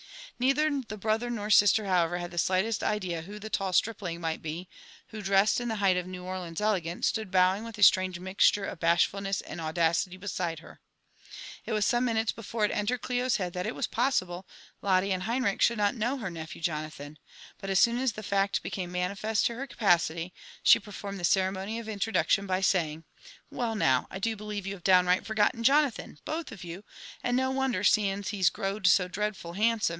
Neither the brother nor sister, however, had the slightest idea who the tall stripling might be, who, dressed in the height of New Orleans elegatioe, stood bowing with a strange mixture of bashfulness and audacity beside her. It was some minutes before it entered Clio's head that it was possible Lotte and Henrich should not know her nephew Jonathan; but as soon as the fact became manifest to her capacity, she performed the cere mony of introduction by saying, ''Well, now, I do believe you have downright forgotten Jonathan, both of you * and no wonder, seeing he's grow'd so dreadful hand JONATHAN /EFFERSON WHITLAW. H .